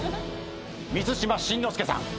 満島真之介さん。